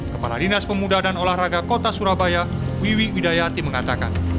kepala dinas pemuda dan olahraga kota surabaya wiwi widayati mengatakan